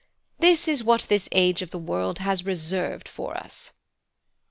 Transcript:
This is what this age of the world has reserved for us."